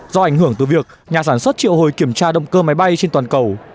do ảnh hưởng từ việc nhà sản xuất triệu hồi kiểm tra động cơ máy bay trên toàn cầu